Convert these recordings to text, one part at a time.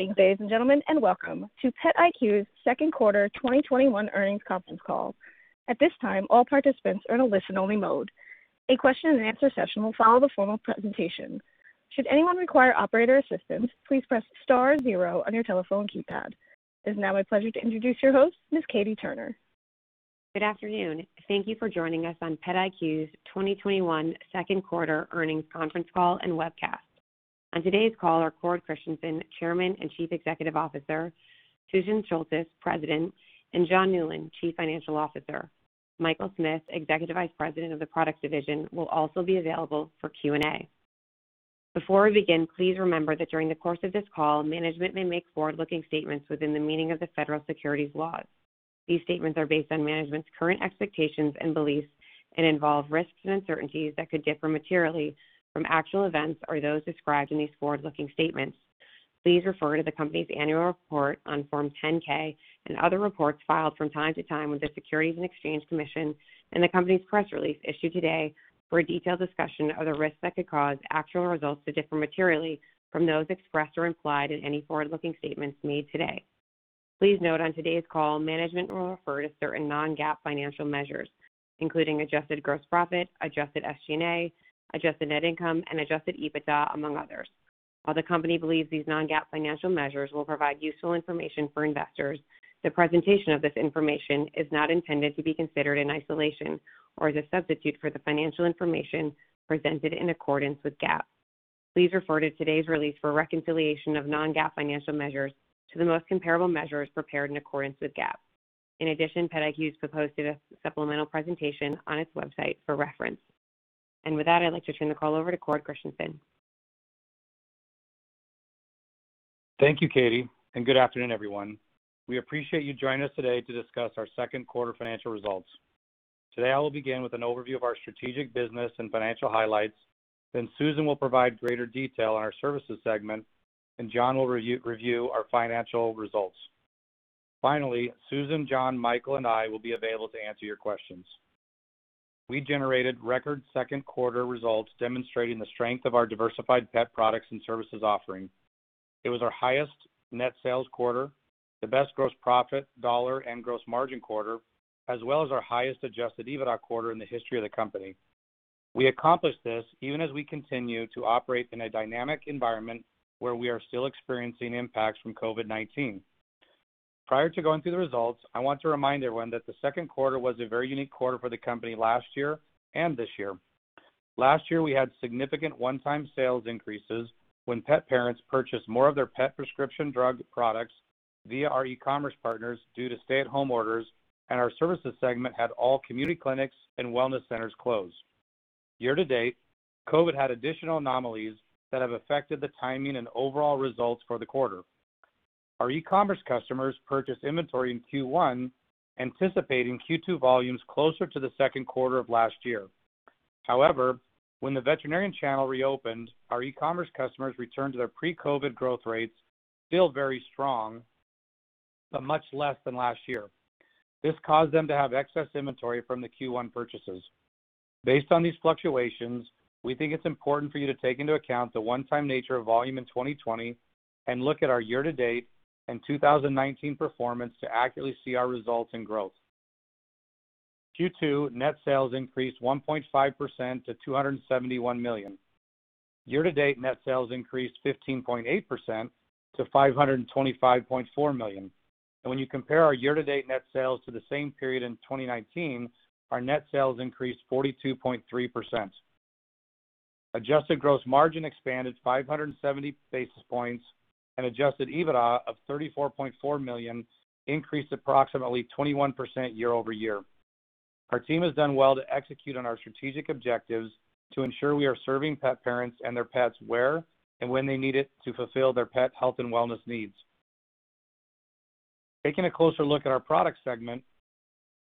Greetings, ladies and gentlemen, and welcome to PetIQ's second quarter 2021 earnings conference call. At this time, all participants are in a listen-only mode. A question-and-answer session will follow the formal presentation. Should anyone require operator assistance, please press star zero on your telephone keypad. It is now my pleasure to introduce your host, Ms. Katie Turner. Good afternoon. Thank you for joining us on PetIQ's 2021 second quarter earnings conference call and webcast. On today's call are Cord Christensen, Chairman and Chief Executive Officer, Susan Sholtis, President, and John Newland, Chief Financial Officer. Michael Smith, Executive Vice President of the Products Division, will also be available for Q&A. Before we begin, please remember that during the course of this call, management may make forward-looking statements within the meaning of the federal securities laws. These statements are based on management's current expectations and beliefs and involve risks and uncertainties that could differ materially from actual events or those described in these forward-looking statements. Please refer to the company's annual report on Form 10-K and other reports filed from time to time with the Securities and Exchange Commission and the company's press release issued today for a detailed discussion of the risks that could cause actual results to differ materially from those expressed or implied in any forward-looking statements made today. Please note on today's call, management will refer to certain non-GAAP financial measures, including adjusted gross profit, adjusted SG&A, adjusted net income, and adjusted EBITDA, among others. While the company believes these non-GAAP financial measures will provide useful information for investors, the presentation of this information is not intended to be considered in isolation or as a substitute for the financial information presented in accordance with GAAP. Please refer to today's release for a reconciliation of non-GAAP financial measures to the most comparable measures prepared in accordance with GAAP. In addition, PetIQ has posted a supplemental presentation on its website for reference. And with that, I'd like to turn the call over to Cord Christensen. Thank you, Katie, and good afternoon, everyone. We appreciate you joining us today to discuss our second quarter financial results. Today, I will begin with an overview of our strategic business and financial highlights. Susan will provide greater detail on our services segment, and John will review our financial results. Finally, Susan, John, Michael, and I will be available to answer your questions. We generated record second quarter results demonstrating the strength of our diversified pet products and services offering. It was our highest net sales quarter, the best gross profit dollar and gross margin quarter, as well as our highest Adjusted EBITDA quarter in the history of the company. We accomplished this even as we continue to operate in a dynamic environment where we are still experiencing impacts from COVID-19. Prior to going through the results, I want to remind everyone that the second quarter was a very unique quarter for the company last year and this year. Last year, we had significant one-time sales increases when pet parents purchased more of their pet prescription drug products via our e-commerce partners due to stay-at-home orders and our services segment had all community clinics and wellness centers closed. Year-to-date, COVID had additional anomalies that have affected the timing and overall results for the quarter. Our e-commerce customers purchased inventory in Q1, anticipating Q2 volumes closer to the second quarter of last year. When the veterinarian channel reopened, our e-commerce customers returned to their pre-COVID growth rates, still very strong, but much less than last year. This caused them to have excess inventory from the Q1 purchases. Based on these fluctuations, we think it is important for you to take into account the one-time nature of volume in 2020 and look at our year-to-date and 2019 performance to accurately see our results and growth. Q2 net sales increased 1.5% to $271 million. Year-to-date net sales increased 15.8% to $525.4 million. When you compare our year-to-date net sales to the same period in 2019, our net sales increased 42.3%. Adjusted gross margin expanded 570 basis points and adjusted EBITDA of $34.4 million increased approximately 21% year-over-year. Our team has done well to execute on our strategic objectives to ensure we are serving pet parents and their pets where and when they need it to fulfill their pet health and wellness needs. Taking a closer look at our product segment,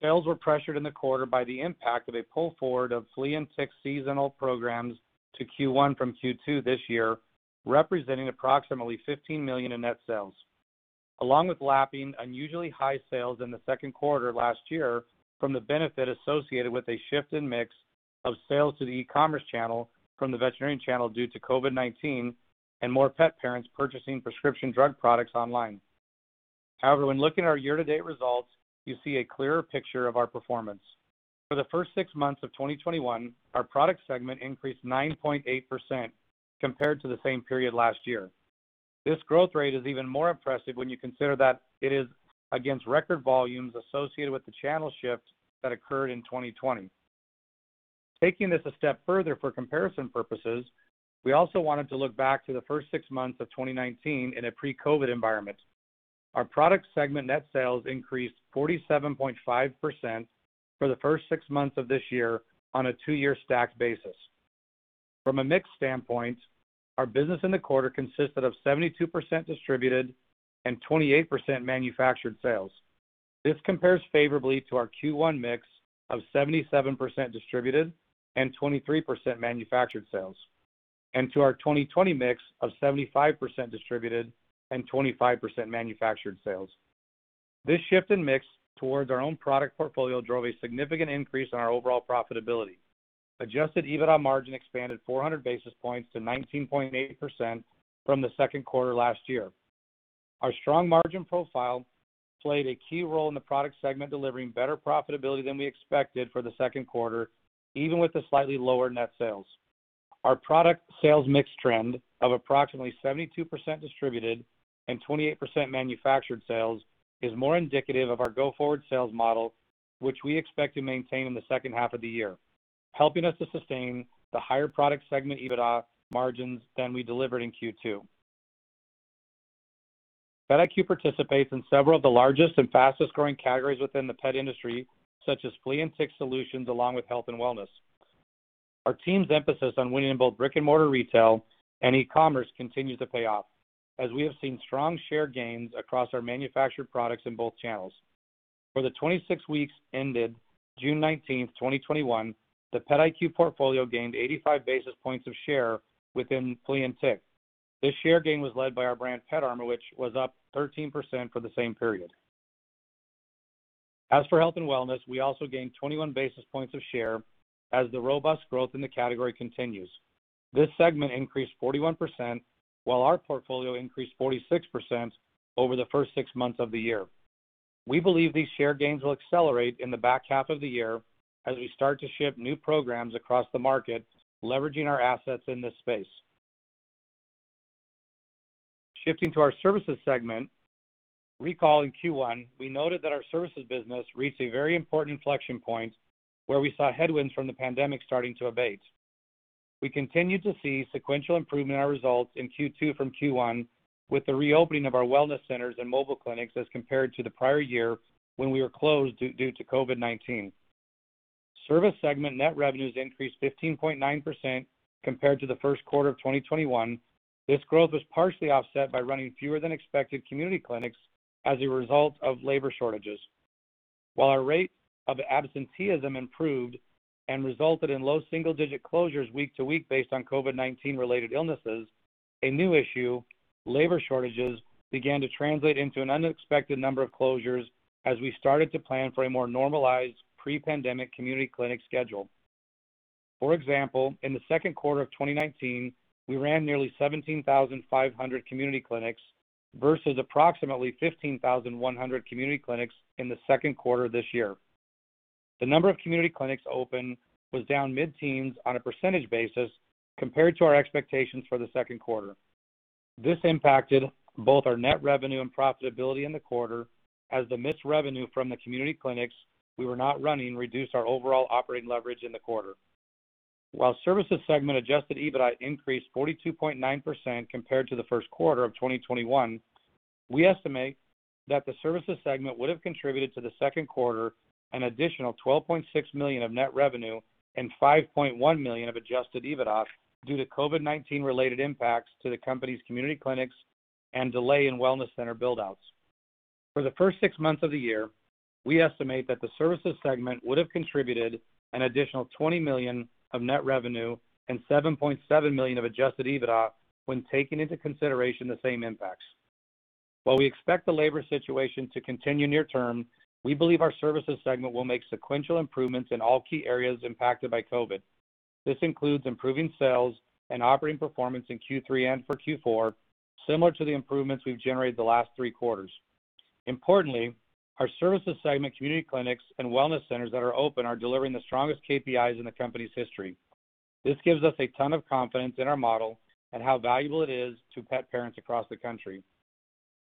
sales were pressured in the quarter by the impact of a pull forward of flea and tick seasonal programs to Q1 from Q2 this year, representing approximately $15 million in net sales. Along with lapping unusually high sales in the second quarter last year from the benefit associated with a shift in mix of sales to the e-commerce channel from the veterinarian channel due to COVID-19 and more pet parents purchasing prescription drug products online. However, when looking at our year-to-date results, you see a clearer picture of our performance. For the first six months of 2021, our product segment increased 9.8% compared to the same period last year. This growth rate is even more impressive when you consider that it is against record volumes associated with the channel shifts that occurred in 2020. Taking this a step further for comparison purposes, we also wanted to look back to the first six months of 2019 in a pre-COVID environment. Our product segment net sales increased 47.5% for the first six months of this year on a two-year stacked basis. From a mix standpoint, our business in the quarter consisted of 72% distributed and 28% manufactured sales. This compares favorably to our Q1 mix of 77% distributed and 23% manufactured sales, and to our 2020 mix of 75% distributed and 25% manufactured sales. This shift in mix towards our own product portfolio drove a significant increase in our overall profitability. Adjusted EBITDA margin expanded 400 basis points to 19.8% from the second quarter last year. Our strong margin profile played a key role in the product segment, delivering better profitability than we expected for the second quarter, even with the slightly lower net sales. Our product sales mix trend of approximately 72% distributed and 28% manufactured sales is more indicative of our go-forward sales model, which we expect to maintain in the second half of the year, helping us to sustain the higher product segment EBITDA margins than we delivered in Q2. PetIQ participates in several of the largest and fastest-growing categories within the pet industry, such as flea and tick solutions, along with health and wellness. Our team's emphasis on winning in both brick and mortar retail and e-commerce continues to pay off as we have seen strong share gains across our manufactured products in both channels. For the 26 weeks ended June 19th, 2021, the PetIQ portfolio gained 85 basis points of share within flea and tick. This share gain was led by our brand PetArmor, which was up 13% for the same period. As for health and wellness, we also gained 21 basis points of share as the robust growth in the category continues. This segment increased 41%, while our portfolio increased 46% over the first six months of the year. We believe these share gains will accelerate in the back half of the year as we start to ship new programs across the market, leveraging our assets in this space. Shifting to our services segment, recall in Q1, we noted that our services business reached a very important inflection point where we saw headwinds from the pandemic starting to abate. We continued to see sequential improvement in our results in Q2 from Q1 with the reopening of our wellness centers and mobile clinics as compared to the prior year when we were closed due to COVID-19. Service segment net revenues increased 15.9% compared to the first quarter of 2021. This growth was partially offset by running fewer than expected community clinics as a result of labor shortages. While our rate of absenteeism improved and resulted in low single-digit closures week to week based on COVID-19 related illnesses, a new issue, labor shortages, began to translate into an unexpected number of closures as we started to plan for a more normalized pre-pandemic community clinic schedule. For example, in the second quarter of 2019, we ran nearly 17,500 community clinics versus approximately 15,100 community clinics in the second quarter this year. The number of community clinics open was down mid-teens on a percentage basis compared to our expectations for the second quarter. This impacted both our net revenue and profitability in the quarter as the missed revenue from the community clinics we were not running reduced our overall operating leverage in the quarter. While services segment adjusted EBITDA increased 42.9% compared to the first quarter of 2021, we estimate that the services segment would have contributed to the second quarter an additional $12.6 million of net revenue and $5.1 million of adjusted EBITDA due to COVID-19 related impacts to the company's community clinics and delay in wellness center build-outs. For the first six months of the year, we estimate that the services segment would have contributed an additional $20 million of net revenue and $7.7 million of adjusted EBITDA when taking into consideration the same impacts. While we expect the labor situation to continue near term, we believe our services segment will make sequential improvements in all key areas impacted by COVID. This includes improving sales and operating performance in Q3 and for Q4, similar to the improvements we've generated the last three quarters. Importantly, our services segment community clinics and wellness centers that are open are delivering the strongest KPIs in the company's history. This gives us a ton of confidence in our model and how valuable it is to pet parents across the country.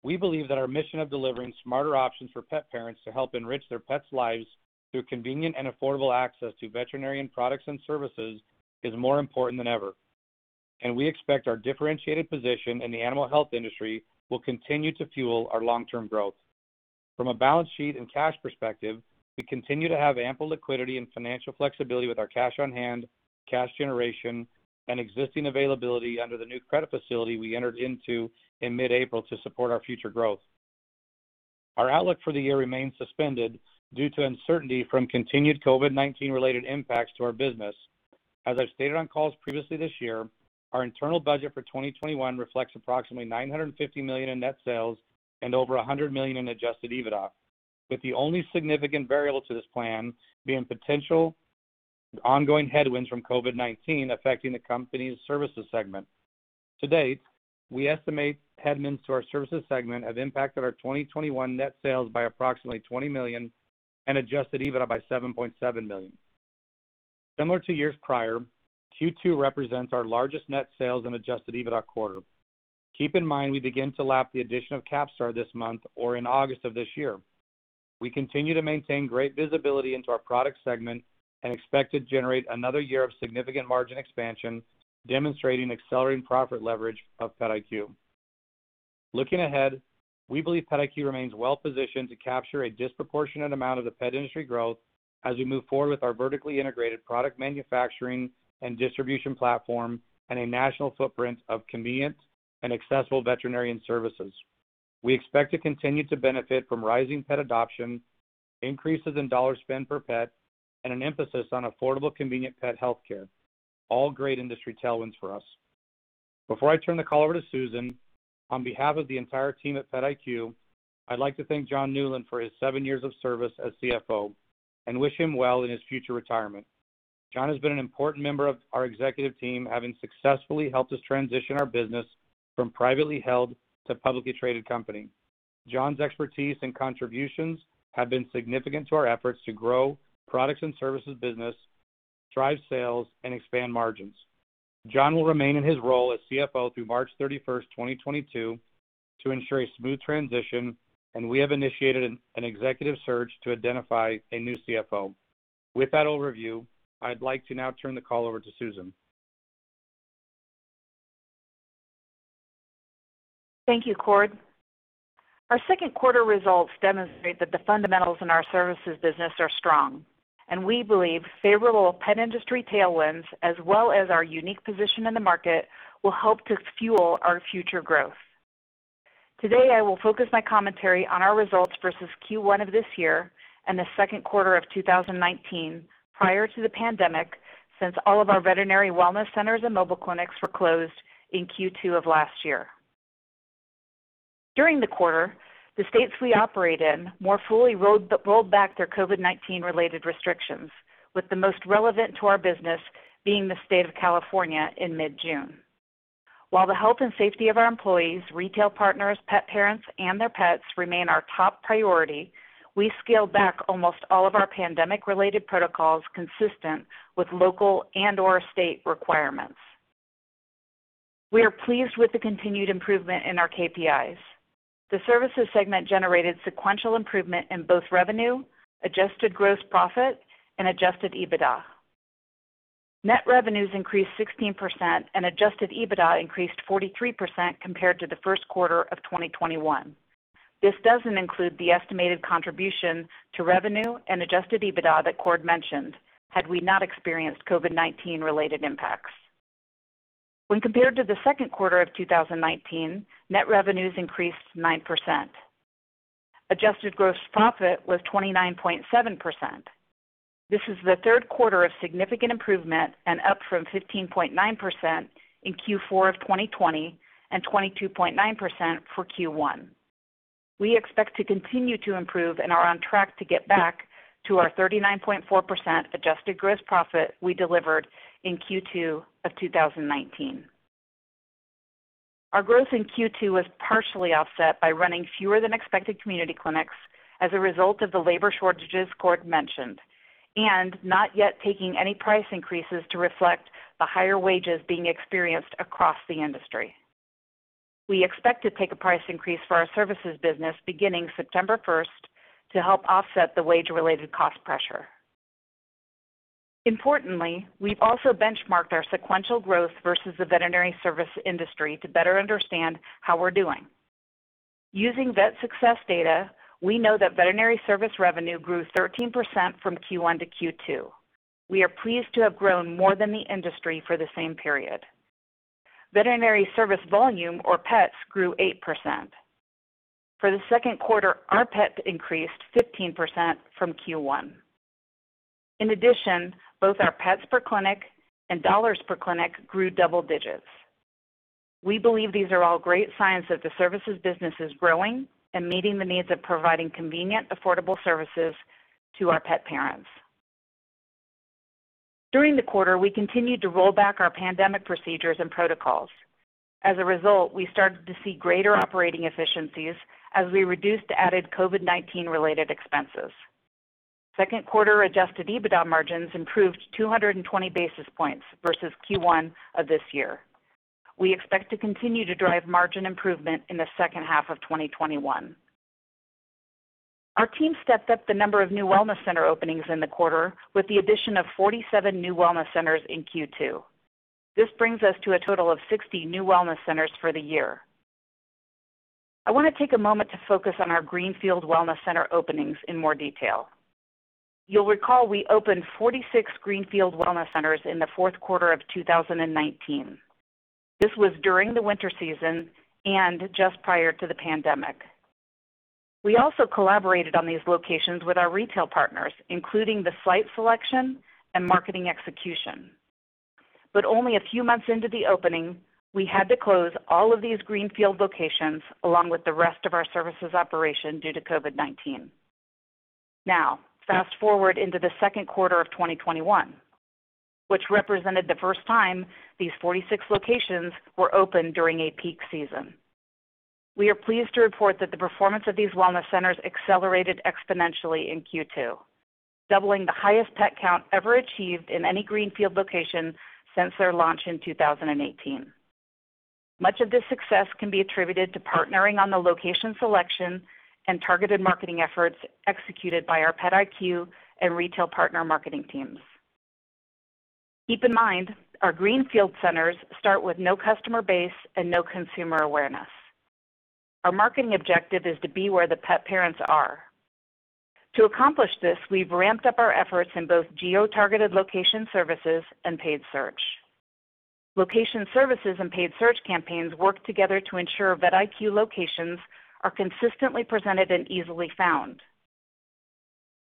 We believe that our mission of delivering smarter options for pet parents to help enrich their pets' lives through convenient and affordable access to veterinarian products and services is more important than ever, and we expect our differentiated position in the animal health industry will continue to fuel our long-term growth. From a balance sheet and cash perspective, we continue to have ample liquidity and financial flexibility with our cash on hand, cash generation, and existing availability under the new credit facility we entered into in mid-April to support our future growth. Our outlook for the year remains suspended due to uncertainty from continued COVID-19 related impacts to our business. As I've stated on calls previously this year, our internal budget for 2021 reflects approximately $950 million in net sales and over $100 million in adjusted EBITDA, with the only significant variable to this plan being potential ongoing headwinds from COVID-19 affecting the company's services segment. To date, we estimate headwinds to our services segment have impacted our 2021 net sales by approximately $20 million and adjusted EBITDA by $7.7 million. Similar to years prior, Q2 represents our largest net sales and adjusted EBITDA quarter. Keep in mind, we begin to lap the addition of Capstar this month or in August of this year. We continue to maintain great visibility into our product segment and expect to generate another year of significant margin expansion, demonstrating accelerating profit leverage of PetIQ. Looking ahead, we believe PetIQ remains well positioned to capture a disproportionate amount of the pet industry growth as we move forward with our vertically integrated product manufacturing and distribution platform and a national footprint of convenient and accessible veterinarian services. We expect to continue to benefit from rising pet adoption, increases in dollar spend per pet, and an emphasis on affordable, convenient pet healthcare. All great industry tailwinds for us. Before I turn the call over to Susan, on behalf of the entire team at PetIQ, I'd like to thank John Newland for his seven years of service as CFO and wish him well in his future retirement. John has been an important member of our executive team, having successfully helped us transition our business from privately held to publicly traded company. John's expertise and contributions have been significant to our efforts to grow products and services business, drive sales, and expand margins. John will remain in his role as CFO through March 31st, 2022, to ensure a smooth transition, and we have initiated an executive search to identify a new CFO. With that overview, I'd like to now turn the call over to Susan. Thank you, Cord. Our second quarter results demonstrate that the fundamentals in our services business are strong, and we believe favorable pet industry tailwinds, as well as our unique position in the market, will help to fuel our future growth. Today, I will focus my commentary on our results versus Q1 of this year and the second quarter of 2019, prior to the pandemic, since all of our veterinary wellness centers and mobile clinics were closed in Q2 of last year. During the quarter, the states we operate in more fully rolled back their COVID-19-related restrictions, with the most relevant to our business being the state of California in mid-June. While the health and safety of our employees, retail partners, pet parents, and their pets remain our top priority, we scaled back almost all of our pandemic-related protocols consistent with local and/or state requirements. We are pleased with the continued improvement in our KPIs. The services segment generated sequential improvement in both revenue, adjusted gross profit, and adjusted EBITDA. Net revenues increased 16% and adjusted EBITDA increased 43% compared to the first quarter of 2021. This doesn't include the estimated contribution to revenue and adjusted EBITDA that Cord mentioned had we not experienced COVID-19-related impacts. When compared to the second quarter of 2019, net revenues increased 9%. Adjusted gross profit was 29.7%. This is the third quarter of significant improvement and up from 15.9% in Q4 of 2020 and 22.9% for Q1. We expect to continue to improve and are on track to get back to our 39.4% adjusted gross profit we delivered in Q2 of 2019. Our growth in Q2 was partially offset by running fewer than expected community clinics as a result of the labor shortages Cord mentioned and not yet taking any price increases to reflect the higher wages being experienced across the industry. We expect to take a price increase for our services business beginning September 1st to help offset the wage-related cost pressure. Importantly, we've also benchmarked our sequential growth versus the veterinary service industry to better understand how we're doing. Using VetSuccess data, we know that veterinary service revenue grew 13% from Q1 to Q2. We are pleased to have grown more than the industry for the same period. Veterinary service volume or pets grew 8%. For the second quarter, our pets increased 15% from Q1. In addition, both our pets per clinic and dollars per clinic grew double digits. We believe these are all great signs that the services business is growing and meeting the needs of providing convenient, affordable services to our pet parents. During the quarter, we continued to roll back our pandemic procedures and protocols. As a result, we started to see greater operating efficiencies as we reduced added COVID-19-related expenses. Second quarter adjusted EBITDA margins improved 220 basis points versus Q1 of this year. We expect to continue to drive margin improvement in the second half of 2021. Our team stepped up the number of new wellness center openings in the quarter with the addition of 47 new wellness centers in Q2. This brings us to a total of 60 new wellness centers for the year. I want to take a moment to focus on our greenfield wellness center openings in more detail. You'll recall we opened 46 greenfield wellness centers in the fourth quarter of 2019. This was during the winter season and just prior to the pandemic. We also collaborated on these locations with our retail partners, including the site selection and marketing execution. But only a few months into the opening, we had to close all of these greenfield locations, along with the rest of our services operation, due to COVID-19. Now, fast-forward into the second quarter of 2021, which represented the first time these 46 locations were open during a peak season. We are pleased to report that the performance of these wellness centers accelerated exponentially in Q2, doubling the highest pet count ever achieved in any greenfield location since their launch in 2018. Much of this success can be attributed to partnering on the location selection and targeted marketing efforts executed by our PetIQ and retail partner marketing teams. Keep in mind, our greenfield centers start with no customer base and no consumer awareness. Our marketing objective is to be where the pet parents are. To accomplish this, we've ramped up our efforts in both geo-targeted location services and paid search. Location services and paid search campaigns work together to ensure VetIQ locations are consistently presented and easily found.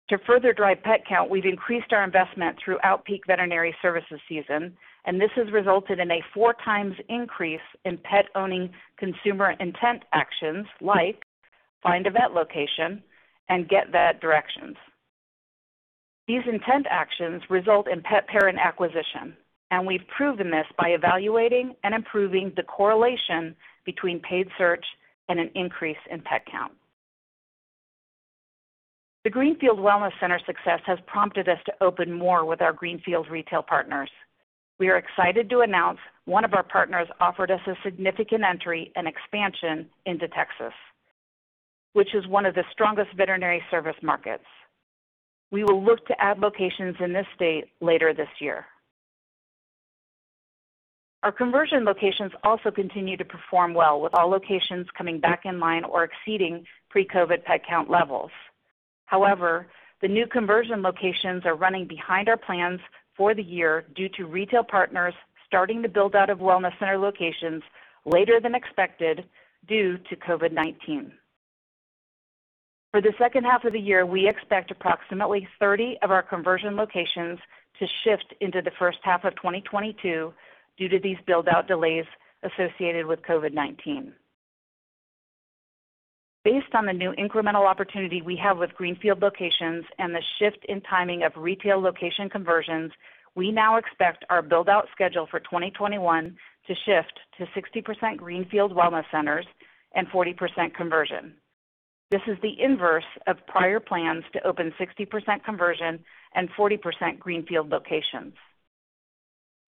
To further drive pet count, we've increased our investment throughout peak veterinary services season, and this has resulted in a four times increase in pet-owning consumer intent actions like find a vet location and get vet directions. These intent actions result in pet parent acquisition, and we've proven this by evaluating and improving the correlation between paid search and an increase in pet count. The Greenfield Wellness Center success has prompted us to open more with our Greenfield retail partners. We are excited to announce one of our partners offered us a significant entry and expansion into Texas, which is one of the strongest veterinary service markets. We will look to add locations in this state later this year. Our conversion locations also continue to perform well with all locations coming back in line or exceeding pre-COVID pet count levels. However, the new conversion locations are running behind our plans for the year due to retail partners starting to build out of wellness center locations later than expected due to COVID-19. For the second half of the year, we expect approximately 30 of our conversion locations to shift into the first half of 2022 due to these build-out delays associated with COVID-19. Based on the new incremental opportunity we have with greenfield locations and the shift in timing of retail location conversions, we now expect our build-out schedule for 2021 to shift to 60% greenfield wellness centers and 40% conversion. This is the inverse of prior plans to open 60% conversion and 40% greenfield locations.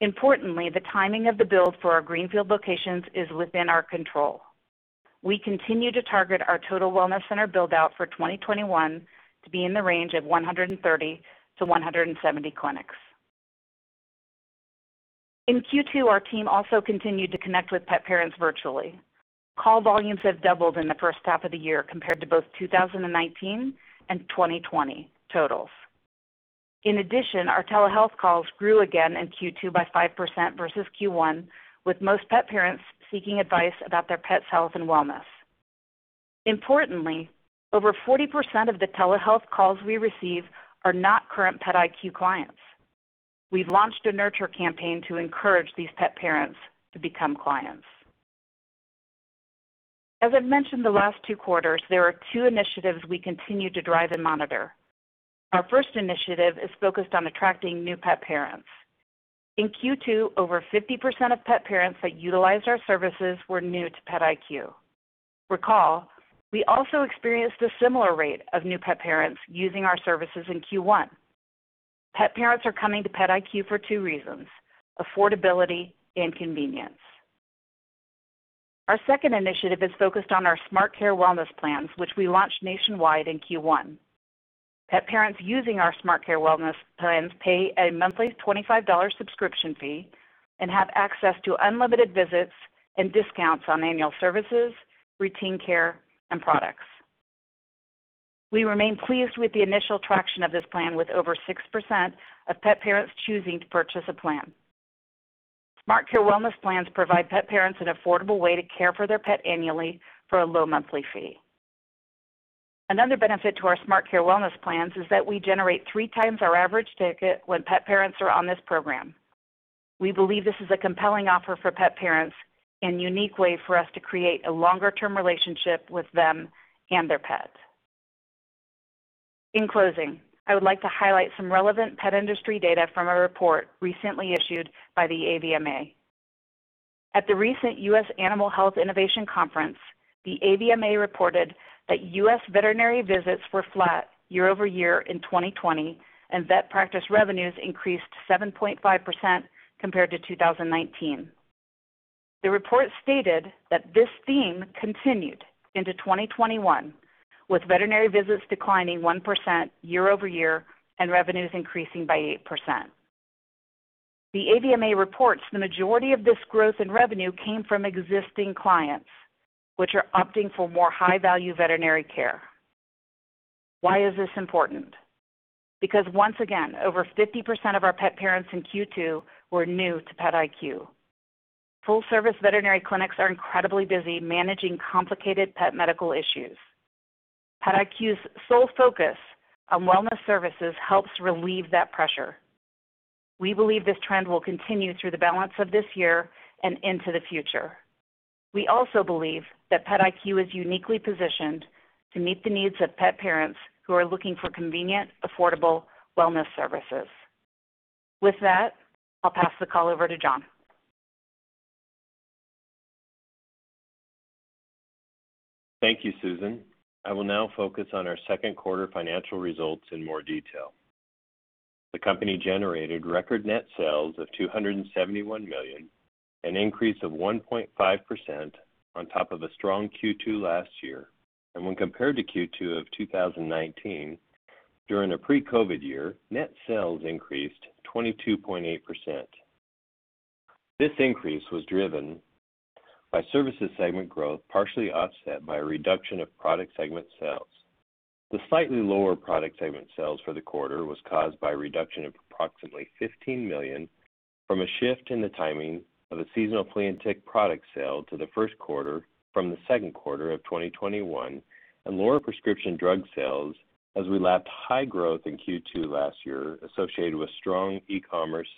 Importantly, the timing of the build for our greenfield locations is within our control. We continue to target our total wellness center build-out for 2021 to be in the range of 130-170 clinics. In Q2, our team also continued to connect with pet parents virtually. Call volumes have doubled in the first half of the year compared to both 2019 and 2020 totals. In addition, our telehealth calls grew again in Q2 by 5% versus Q1, with most pet parents seeking advice about their pet's health and wellness. Importantly, over 40% of the telehealth calls we receive are not current PetIQ clients. We've launched a nurture campaign to encourage these pet parents to become clients. As I've mentioned the last two quarters, there are two initiatives we continue to drive and monitor. Our first initiative is focused on attracting new pet parents. In Q2, over 50% of pet parents that utilized our services were new to PetIQ. Recall, we also experienced a similar rate of new pet parents using our services in Q1. Pet parents are coming to PetIQ for two reasons, affordability and convenience. Our second initiative is focused on our SmartCare Wellness plans, which we launched nationwide in Q1. Pet parents using our SmartCare Wellness plans pay a monthly $25 subscription fee and have access to unlimited visits and discounts on annual services, routine care, and products. We remain pleased with the initial traction of this plan, with over 6% of pet parents choosing to purchase a plan. SmartCare Wellness plans provide pet parents an affordable way to care for their pet annually for a low monthly fee. Another benefit to our SmartCare Wellness plans is that we generate three times our average ticket when pet parents are on this program. We believe this is a compelling offer for pet parents and a unique way for us to create a longer-term relationship with them and their pets. In closing, I would like to highlight some relevant pet industry data from a report recently issued by the AVMA. At the recent U.S. Animal Health Innovation Conference, the AVMA reported that U.S. veterinary visits were flat year-over-year in 2020, and vet practice revenues increased 7.5% compared to 2019. The report stated that this theme continued into 2021, with veterinary visits declining 1% year-over-year and revenues increasing by 8%. The AVMA reports the majority of this growth in revenue came from existing clients, which are opting for more high-value veterinary care. Why is this important? Once again, over 50% of our pet parents in Q2 were new to PetIQ. Full-service veterinary clinics are incredibly busy managing complicated pet medical issues. PetIQ's sole focus on wellness services helps relieve that pressure. We believe this trend will continue through the balance of this year and into the future. We also believe that PetIQ is uniquely positioned to meet the needs of pet parents who are looking for convenient, affordable wellness services. With that, I'll pass the call over to John. Thank you, Susan. I will now focus on our second quarter financial results in more detail. The company generated record net sales of $271 million, an increase of 1.5% on top of a strong Q2 last year. When compared to Q2 of 2019 during a pre-COVID year, net sales increased 22.8%. This increase was driven by services segment growth, partially offset by a reduction of product segment sales. The slightly lower product segment sales for the quarter was caused by a reduction of approximately $15 million from a shift in the timing of a seasonal flea and tick product sale to the first quarter from the second quarter of 2021, and lower prescription drug sales as we lapped high growth in Q2 last year associated with strong e-commerce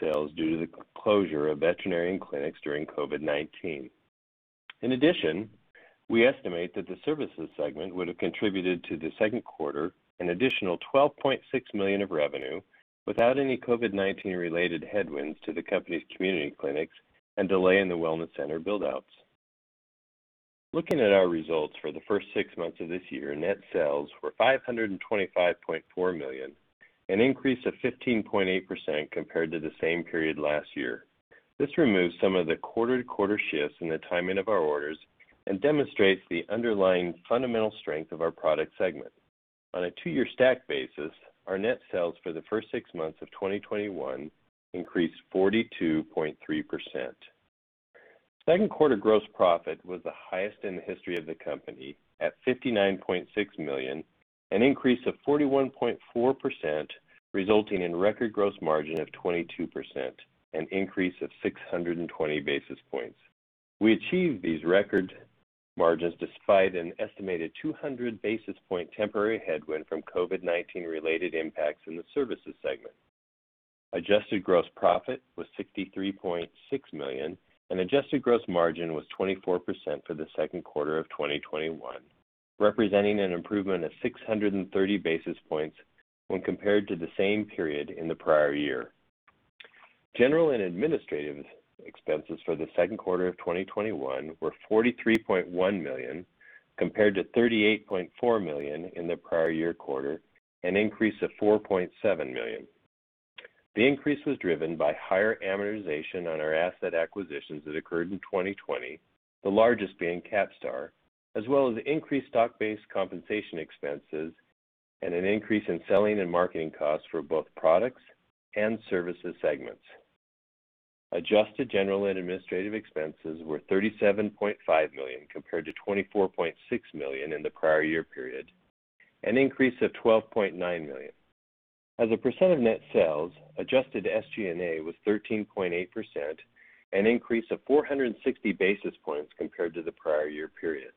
sales due to the closure of veterinarian clinics during COVID-19. In addition, we estimate that the services segment would have contributed to the second quarter an additional $12.6 million of revenue without any COVID-19 related headwinds to the company's community clinics and delay in the wellness center build-outs. Looking at our results for the first six months of this year, net sales were $525.4 million, an increase of 15.8% compared to the same period last year. This removes some of the quarter-to-quarter shifts in the timing of our orders and demonstrates the underlying fundamental strength of our product segment. On a two-year stack basis, our net sales for the first six months of 2021 increased 42.3%. Second quarter gross profit was the highest in the history of the company at $59.6 million, an increase of 41.4%, resulting in record gross margin of 22%, an increase of 620 basis points. We achieved these record margins despite an estimated 200 basis point temporary headwind from COVID-19 related impacts in the services segment. Adjusted gross profit was $63.6 million, and adjusted gross margin was 24% for the second quarter of 2021, representing an improvement of 630 basis points when compared to the same period in the prior year. General and administrative expenses for the second quarter of 2021 were $43.1 million, compared to $38.4 million in the prior year quarter, an increase of $4.7 million. The increase was driven by higher amortization on our asset acquisitions that occurred in 2020, the largest being Capstar, as well as increased stock-based compensation expenses and an increase in selling and marketing costs for both products and services segments. adjusted general and administrative expenses were $37.5 million compared to $24.6 million in the prior year period, an increase of $12.9 million. As a percent of net sales, adjusted SG&A was 13.8%, an increase of 460 basis points compared to the prior year period.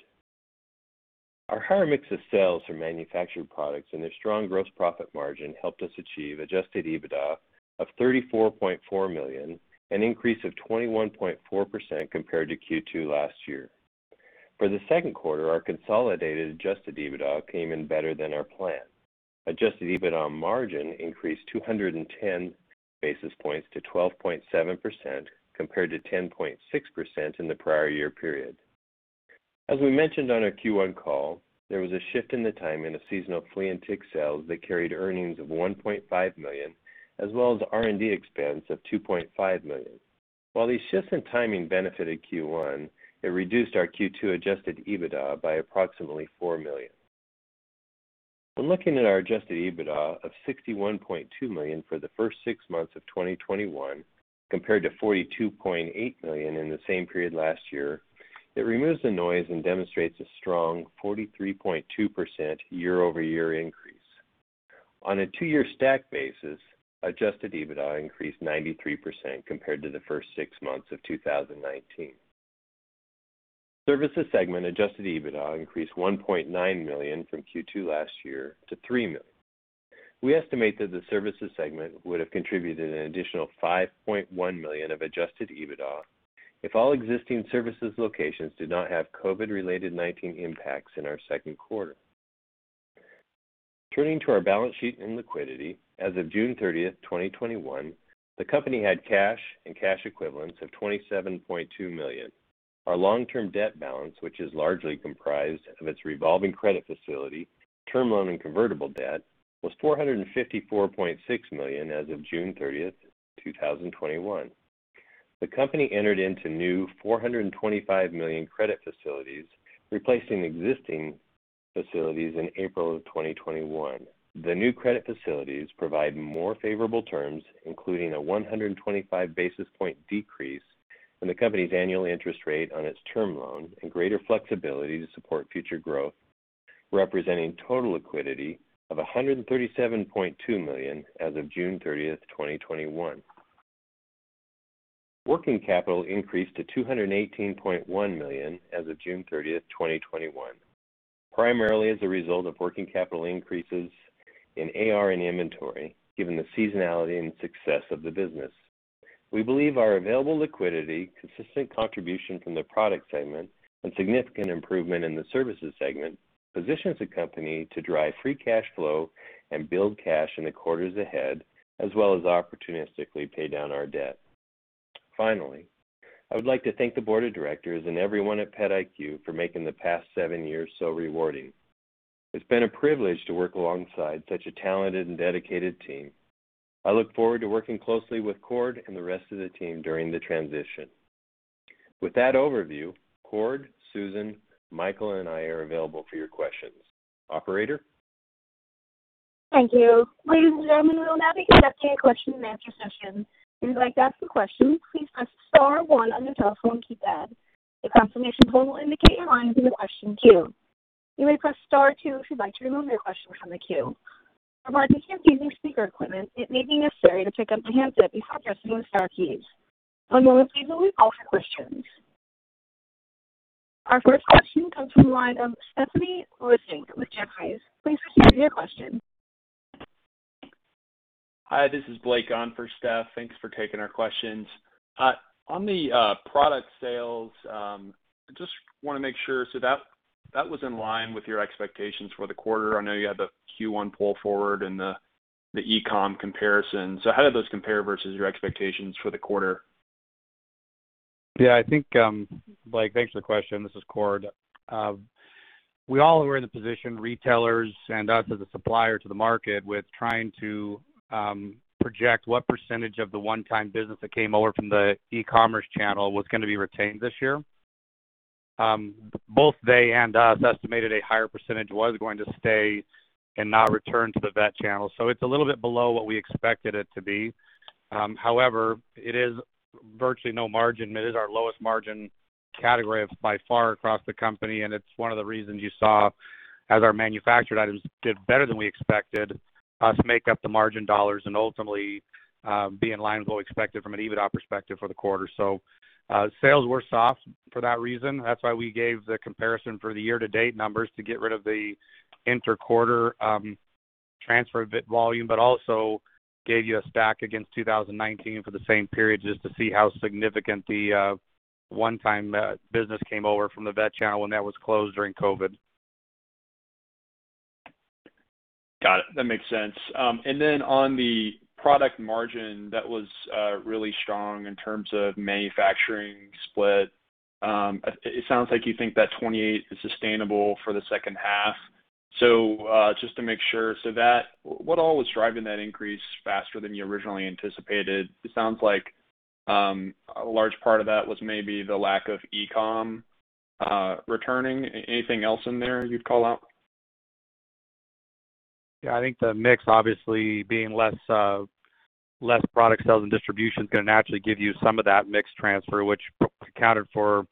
Our higher mix of sales from manufactured products and their strong gross profit margin helped us achieve adjusted EBITDA of $34.4 million, an increase of 21.4% compared to Q2 last year. For the second quarter, our consolidated adjusted EBITDA came in better than our plan. Adjusted EBITDA margin increased 210 basis points to 12.7%, compared to 10.6% in the prior year period. As we mentioned on our Q1 call, there was a shift in the timing of seasonal flea and tick sales that carried earnings of $1.5 million, as well as R&D expense of $2.5 million. While the shift in timing benefited Q1, it reduced our Q2 adjusted EBITDA by approximately $4 million. When looking at our adjusted EBITDA of $61.2 million for the first six months of 2021 compared to $42.8 million in the same period last year, it removes the noise and demonstrates a strong 43.2% year-over-year increase. On a two-year stack basis, adjusted EBITDA increased 93% compared to the first six months of 2019. Services segment adjusted EBITDA increased $1.9 million from Q2 last year to $3 million. We estimate that the services segment would have contributed an additional $5.1 million of adjusted EBITDA if all existing services locations did not have COVID-19 related impacts in our second quarter. Turning to our balance sheet and liquidity, as of June 30th, 2021, the company had cash and cash equivalents of $27.2 million. Our long-term debt balance, which is largely comprised of its revolving credit facility, term loan, and convertible debt, was $454.6 million as of June 30th, 2021. The company entered into new $425 million credit facilities, replacing existing facilities in April 2021. The new credit facilities provide more favorable terms, including a 125 basis point decrease in the company's annual interest rate on its term loan and greater flexibility to support future growth, representing total liquidity of $137.2 million as of June 30th, 2021. Working capital increased to $218.1 million as of June 30, 2021, primarily as a result of working capital increases in AR and inventory, given the seasonality and success of the business. We believe our available liquidity, consistent contribution from the product segment, and significant improvement in the services segment positions the company to drive free cash flow and build cash in the quarters ahead, as well as opportunistically pay down our debt. Finally, I would like to thank the board of directors and everyone at PetIQ for making the past seven years so rewarding. It's been a privilege to work alongside such a talented and dedicated team. I look forward to working closely with Cord and the rest of the team during the transition. With that overview, Cord, Susan, Michael, and I are available for your questions. Operator? Thank you. Ladies and gentlemen, we will now be accepting a question-and-answer session. If you would like to ask a question, please press star, one on your telephone keypad. A confirmation tone will indicate your line is in the question queue. You may press star, two if you would like to remove your question from the queue. For participants using speaker equipment, it may be necessary to pick up your handset before pressing the star keys. One moment please, while we poll for questions. Our first question comes from the line of Stephanie Link with Jefferies. Please proceed with your question. Hi, this is Blake on for Steph. Thanks for taking our questions. On the product sales, I just want to make sure, that was in line with your expectations for the quarter? I know you had the Q1 pull forward and the e-com comparison. How did those compare versus your expectations for the quarter? Yeah. I think, Blake, thanks for the question. This is Cord. We all were in the position, retailers and us as a supplier to the market, with trying to project what percent of the one-time business that came over from the e-commerce channel was going to be retained this year. Both they and us estimated a higher percent was going to stay and not return to the vet channel. It's a little bit below what we expected it to be. However, it is virtually no margin. It is our lowest margin category by far across the company, and it's one of the reasons you saw, as our manufactured items did better than we expected, us make up the margin dollars and ultimately be in line with what we expected from an EBITDA perspective for the quarter. Sales were soft for that reason. That's why we gave the comparison for the year-to-date numbers, to get rid of the inter-quarter transfer of volume. Also gave you a stack against 2019 for the same period, just to see how significant the one-time business came over from the vet channel when that was closed during COVID. Got it. That makes sense. On the product margin, that was really strong in terms of manufacturing split. It sounds like you think that 28% is sustainable for the second half. Just to make sure, what all was driving that increase faster than you originally anticipated? It sounds like a large part of that was maybe the lack of e-com returning. Anything else in there you'd call out? Yeah, I think the mix, obviously being less product sales and distribution, is going to naturally give you some of that mix transfer, which accounted for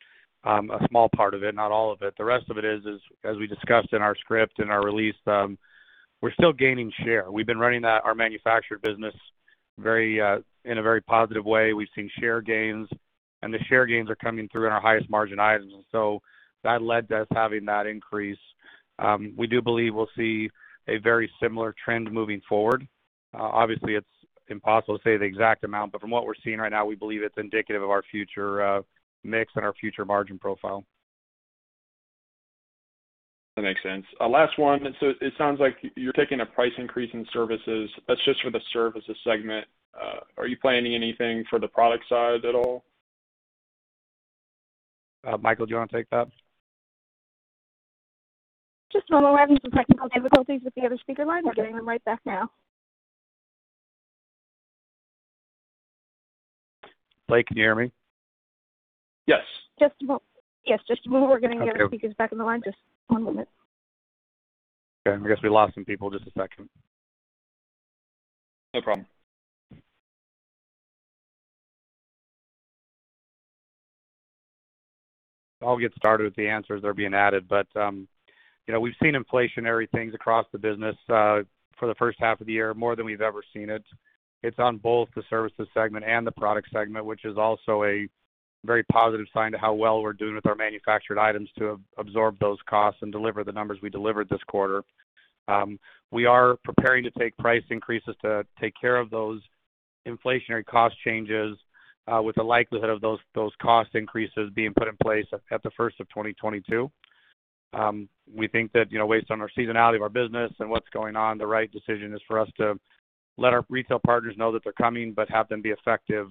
a small part of it, not all of it. The rest of it is, as we discussed in our script and our release, we're still gaining share. We've been running our manufactured business in a very positive way. We've seen share gains, and the share gains are coming through in our highest margin items. That led to us having that increase. We do believe we'll see a very similar trend moving forward. Obviously, it's impossible to say the exact amount, but from what we're seeing right now, we believe it's indicative of our future mix and our future margin profile. That makes sense. Last one. It sounds like you're taking a price increase in services. That's just for the services segment. Are you planning anything for the product side at all? Michael, do you want to take that? Just on the line. Some technical difficulties with the other speaker line. We're getting them right back now. Blake, can you hear me? Yes. Yes. Just a moment, we're getting the other speakers back on the line. Just one moment. Okay. I guess we lost some people. Just a second. No problem. I'll get started with the answers that are being added, but we've seen inflationary things across the business for the first half of the year, more than we've ever seen it. It's on both the services segment and the product segment, which is also a very positive sign to how well we're doing with our manufactured items to absorb those costs and deliver the numbers we delivered this quarter. We are preparing to take price increases to take care of those inflationary cost changes, with the likelihood of those cost increases being put in place at the first of 2022. We think that based on our seasonality of our business and what's going on, the right decision is for us to let our retail partners know that they're coming, but have them be effective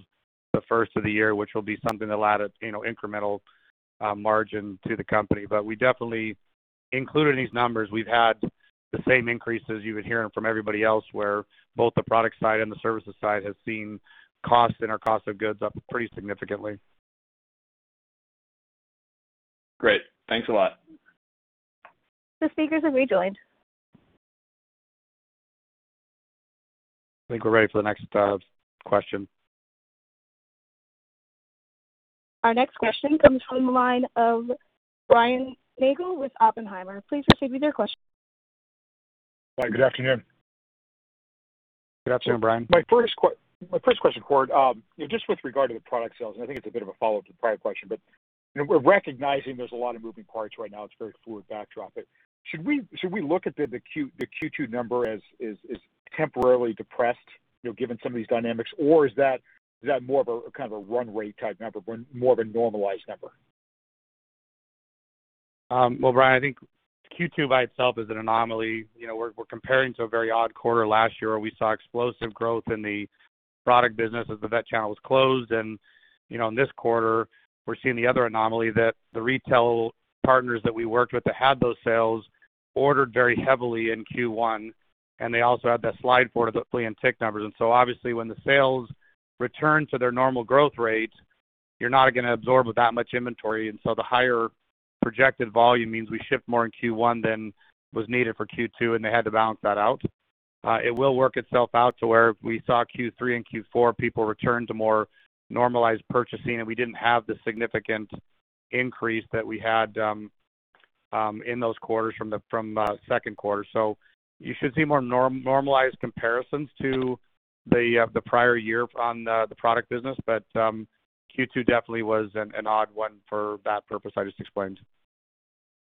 the first of the year, which will be something that'll add incremental margin to the company. But we definitely included these numbers. We've had the same increases you've been hearing from everybody else, where both the product side and the services side has seen costs and our cost of goods up pretty significantly. Great. Thanks a lot. The speakers have rejoined. I think we're ready for the next question. Our next question comes from the line of Brian Nagel with Oppenheimer. Please proceed with your question. Hi, good afternoon. Good afternoon, Brian. My first question, Cord, just with regard to the product sales, and I think it's a bit of a follow-up to the prior question, but we're recognizing there's a lot of moving parts right now. It's a very fluid backdrop. Should we look at the Q2 number as temporarily depressed, given some of these dynamics? Is that more of a run rate type number, more of a normalized number? Well, Brian, I think Q2 by itself is an anomaly. We're comparing to a very odd quarter last year where we saw explosive growth in the product business as the vet channel was closed. In this quarter, we're seeing the other anomaly that the retail partners that we worked with that had those sales ordered very heavily in Q1, and they also had that slide for the flea and tick numbers. Obviously when the sales return to their normal growth rates, you're not going to absorb with that much inventory. The higher projected volume means we ship more in Q1 than was needed for Q2, and they had to balance that out. It will work itself out to where we saw Q3 and Q4 people return to more normalized purchasing, and we didn't have the significant increase that we had in those quarters from the second quarter. You should see more normalized comparisons to the prior year on the product business. Q2 definitely was an odd one for that purpose I just explained.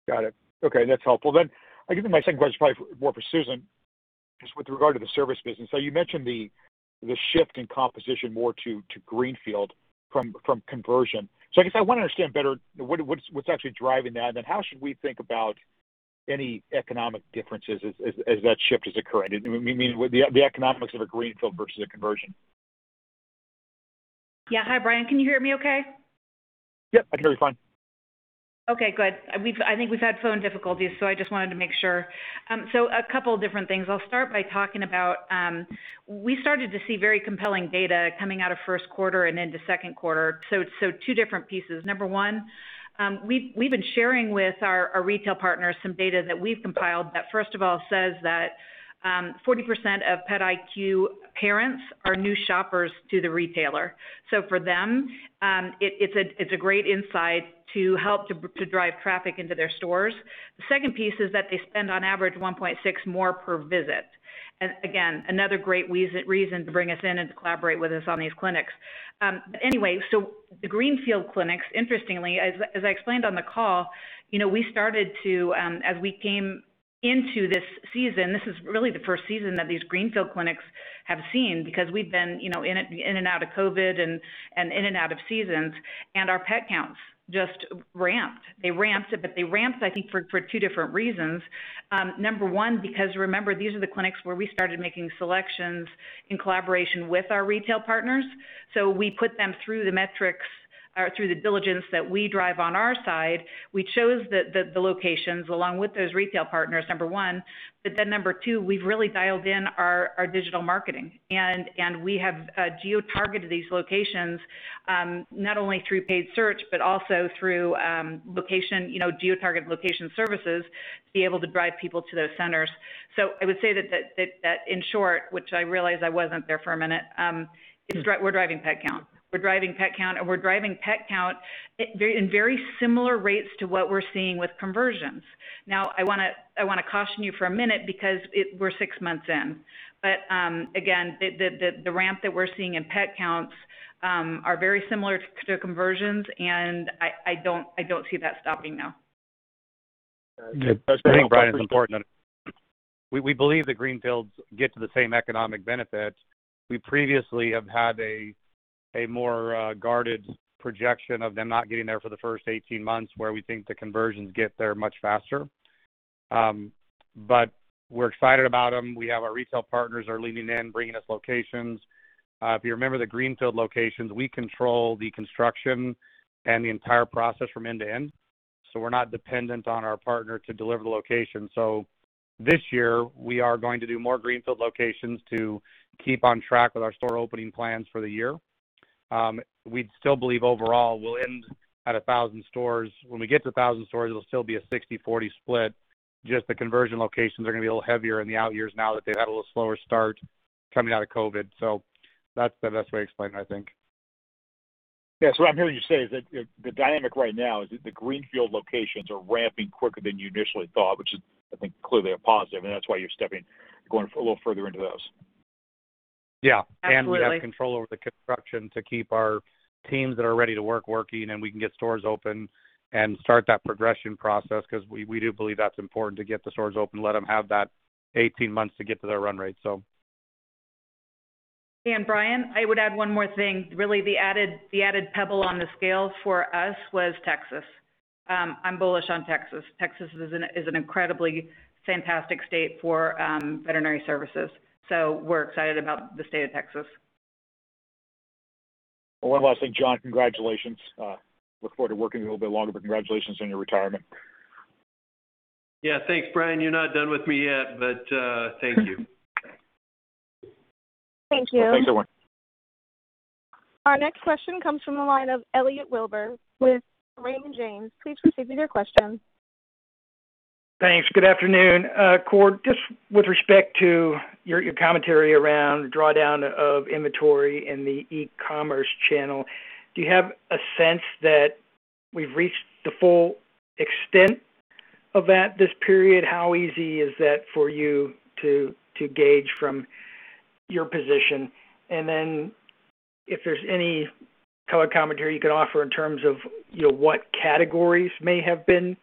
Got it. Okay. That's helpful. I guess my second question is probably more for Susan, just with regard to the service business. You mentioned the shift in composition more to greenfield from conversion. I guess I want to understand better what's actually driving that, and then how should we think about any economic differences as that shift is occurring? Meaning the economics of a greenfield versus a conversion. Yeah. Hi, Brian. Can you hear me okay? Yep, I can hear you fine. Okay, good. I think we've had phone difficulties, so I just wanted to make sure. A couple different things. I'll start by talking about, we started to see very compelling data coming out of first quarter and into second quarter. So, two different pieces. Number one, we've been sharing with our retail partners some data that we've compiled that first of all says that 40% of PetIQ parents are new shoppers to the retailer. For them, it's a great insight to help to drive traffic into their stores. The second piece is that they spend on average 1.6 more per visit. Again, another great reason to bring us in and to collaborate with us on these clinics. Anyway, the greenfield clinics, interestingly, as I explained on the call, we started to, as we came into this season, this is really the first season that these greenfield clinics have seen because we've been in and out of COVID and in and out of seasons, and our pet counts just ramped. They ramped, but they ramped, I think, for two different reasons. Number one, because remember, these are the clinics where we started making selections in collaboration with our retail partners. We put them through the metrics or through the diligence that we drive on our side, which shows the locations along with those retail partners, number one. Then number two, we've really dialed in our digital marketing, and we have geo-targeted these locations, not only through paid search, but also through geo-targeted location services to be able to drive people to those centers. I would say that in short, which I realize I wasn't there for a minute, we're driving pet count. We're driving pet count, and we're driving pet count in very similar rates to what we're seeing with conversions. I want to caution you for a minute because we're six months in. Again, the ramp that we're seeing in pet counts are very similar to conversions, and I don't see that stopping now. Got it. I think, Brian, it's important. We believe the greenfields get to the same economic benefits. We previously have had a more guarded projection of them not getting there for the first 18 months, where we think the conversions get there much faster. But we're excited about them. We have our retail partners are leaning in, bringing us locations. If you remember the greenfield locations, we control the construction and the entire process from end to end. We're not dependent on our partner to deliver the location. This year, we are going to do more greenfield locations to keep on track with our store opening plans for the year. We still believe overall we'll end at 1,000 stores. When we get to 1,000 stores, it'll still be a 60/40 split, just the conversion locations are going to be a little heavier in the out years now that they've had a little slower start coming out of COVID. That's the best way to explain it, I think. Yeah. What I'm hearing you say is that the dynamic right now is that the greenfield locations are ramping quicker than you initially thought, which is I think, clearly a positive, and that's why you're going a little further into those. Yeah. Absolutely. We have control over the construction to keep our teams that are ready to work, working, and we can get stores open and start that progression process because we do believe that's important to get the stores open, let them have that 18 months to get to their run rate. Brian, I would add one more thing. Really the added pebble on the scale for us was Texas. I'm bullish on Texas. Texas is an incredibly fantastic state for veterinary services. We're excited about the state of Texas. One last thing, John. Congratulations. Look forward to working a little bit longer, but congratulations on your retirement. Yeah. Thanks, Brian. You're not done with me yet, but, thank you. Thank you. Thanks, everyone. Our next question comes from the line of Elliot Wilbur with Raymond James. Please proceed with your question. Thanks. Good afternoon. Cord, just with respect to your commentary around the drawdown of inventory in the e-commerce channel, do you have a sense that we've reached the full extent of that this period? How easy is that for you to gauge from your position? If there's any color commentary you could offer in terms of what categories may have been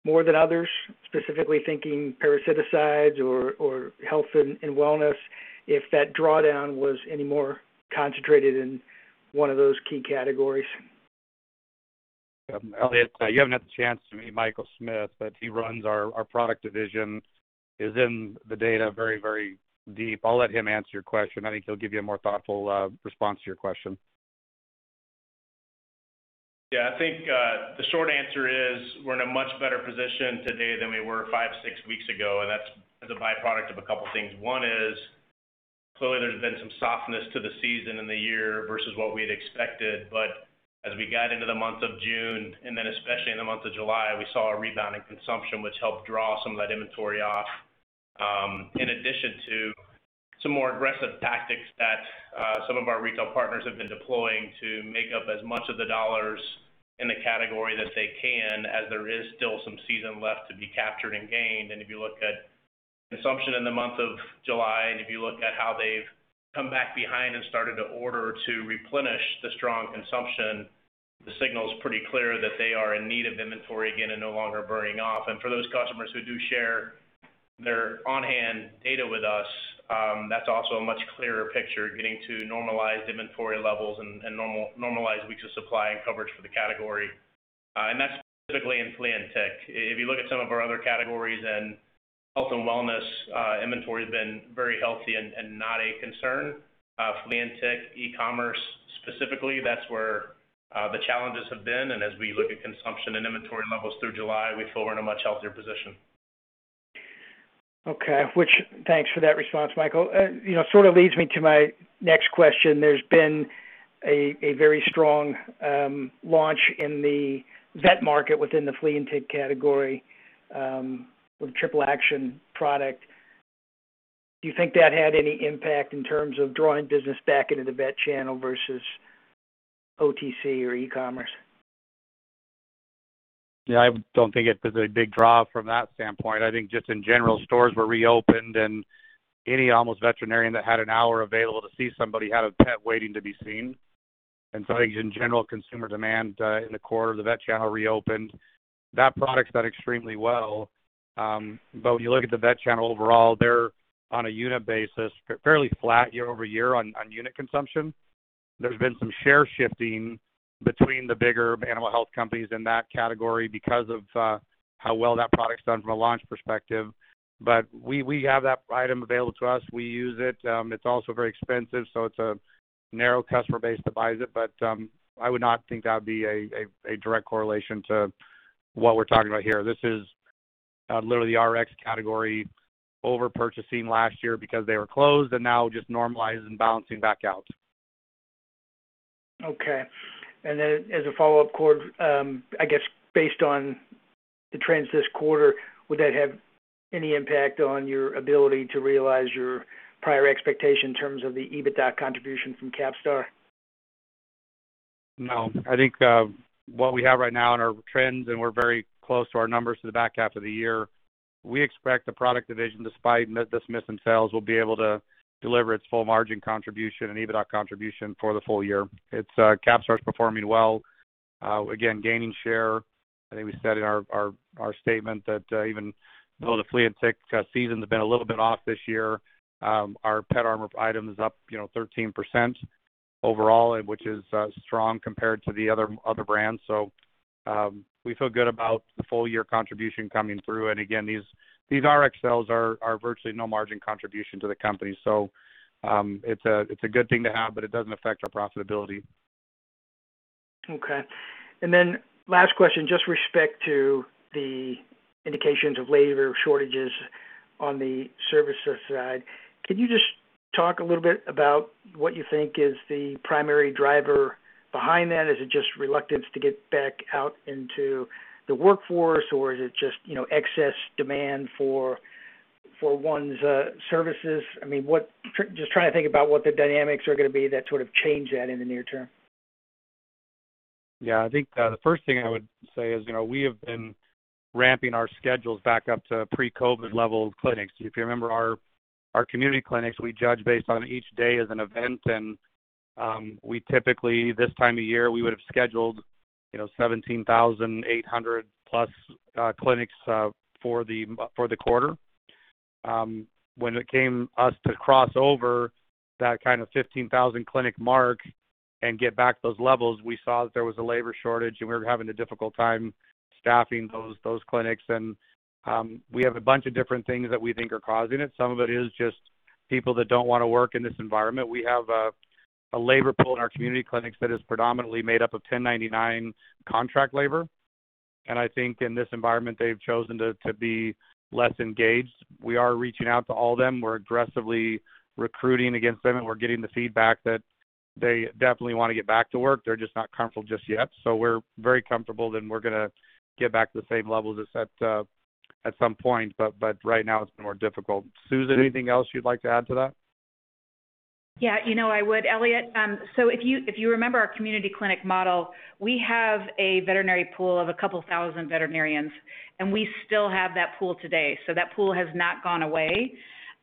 impacted more than others, specifically thinking parasiticides or health and wellness, if that drawdown was any more concentrated in one of those key categories. Elliot, you haven't had the chance to meet Michael Smith. He runs our product division. He's in the data very deep. I'll let him answer your question. I think he'll give you a more thoughtful response to your question. Yeah, I think, the short answer is we're in a much better position today than we were five, six weeks ago. That's as a byproduct of a couple things. One is, clearly, there's been some softness to the season and the year versus what we had expected. As we got into the month of June, and then especially in the month of July, we saw a rebound in consumption, which helped draw some of that inventory off, in addition to some more aggressive tactics that some of our retail partners have been deploying to make up as much of the dollars in the category that they can, as there is still some season left to be captured and gained. If you look at consumption in the month of July, and if you look at how they've come back behind and started to order to replenish the strong consumption, the signal's pretty clear that they are in need of inventory again and no longer burning off. For those customers who do share their on-hand data with us, that's also a much clearer picture, getting to normalized inventory levels and normalized weeks of supply and coverage for the category. That's specifically in flea and tick. If you look at some of our other categories in health and wellness, inventory has been very healthy and not a concern. Flea and tick, e-commerce specifically, that's where the challenges have been. As we look at consumption and inventory levels through July, we feel we're in a much healthier position. Okay. Thanks for that response, Michael. It sort of leads me to my next question. There's been a very strong launch in the vet market within the flea and tick category, with triple-action product. Do you think that had any impact in terms of drawing business back into the vet channel versus OTC or e-commerce? Yeah, I don't think it was a big draw from that standpoint. I think just in general, stores were reopened and any almost veterinarian that had an hour available to see somebody had a pet waiting to be seen. I think in general, consumer demand in the quarter, the vet channel reopened. That product's done extremely well. When you look at the vet channel overall, they're on a unit basis, fairly flat year-over-year on unit consumption. There's been some share shifting between the bigger animal health companies in that category because of how well that product's done from a launch perspective. We have that item available to us. We use it. It's also very expensive, so it's a narrow customer base that buys it. I would not think that would be a direct correlation to what we're talking about here. This is literally the Rx category over-purchasing last year because they were closed and now just normalizing, balancing back out. Okay. As a follow-up, Cord, I guess based on the trends this quarter, would that have any impact on your ability to realize your prior expectation in terms of the EBITDA contribution from Capstar? No. I think, what we have right now in our trends, and we're very close to our numbers for the back half of the year, we expect the product division, despite this miss in sales, will be able to deliver its full margin contribution and EBITDA contribution for the full year. Capstar's performing well. Again, gaining share. I think we said in our statement that even though the flea and tick season's been a little bit off this year, our PetArmor item is up 13% overall, which is strong compared to the other brands. We feel good about the full year contribution coming through. Again, these Rx sales are virtually no margin contribution to the company. It's a good thing to have, but it doesn't affect our profitability. Okay. And then last question, just with respect to the indications of labor shortages on the servicer side. Could you just talk a little bit about what you think is the primary driver behind that? Is it just reluctance to get back out into the workforce, or is it just excess demand for one's services? Just trying to think about what the dynamics are going to be that sort of change that in the near term. I think, the first thing I would say is we have been ramping our schedules back up to pre-COVID level of clinics. If you remember our community clinics, we judge based on each day as an event, and we typically, this time of year, we would have scheduled 17,800+ clinics for the quarter. When it came us to cross over that kind of 15,000 clinic mark and get back those levels, we saw that there was a labor shortage, and we were having a difficult time staffing those clinics. We have a bunch of different things that we think are causing it. Some of it is just people that don't want to work in this environment. We have a labor pool in our community clinics that is predominantly made up of 1099 contract labor. I think in this environment, they've chosen to be less engaged. We are reaching out to all of them. We're aggressively recruiting against them, and we're getting the feedback that they definitely want to get back to work. They're just not comfortable just yet. We're very comfortable that we're going to get back to the same levels as set, at some point, but right now it's been more difficult. Susan, anything else you'd like to add to that? Yeah, I would, Elliot. If you remember our community clinic model, we have a veterinary pool of a 2,000 veterinarians, and we still have that pool today. That pool has not gone away.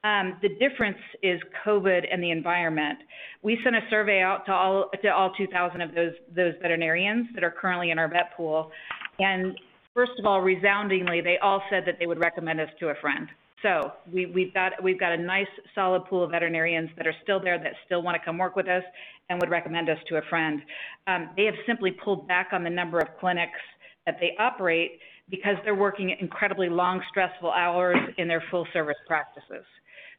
The difference is COVID and the environment. We sent a survey out to all 2,000 of those veterinarians that are currently in our vet pool. First of all, resoundingly, they all said that they would recommend us to a friend. We've got a nice, solid pool of veterinarians that are still there that still want to come work with us and would recommend us to a friend. They have simply pulled back on the number of clinics that they operate because they're working incredibly long, stressful hours in their full-service practices.